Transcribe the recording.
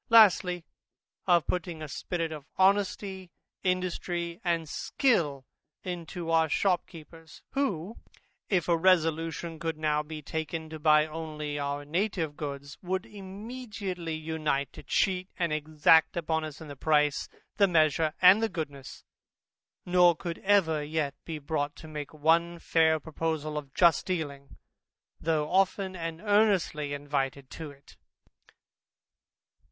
Lastly, of putting a spirit of honesty, industry, and skill into our shopkeepers, who, if a resolution could now be taken to buy only our native goods, would immediately unite to cheat and exact upon us in the price, the measure, and the goodness, nor could ever yet be brought to make one fair proposal of just dealing, though often and earnestly invited to it.